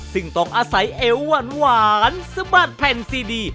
ซึ่งต่อกอาศัยเอ๋วหวานวานสบัดแผนซีดี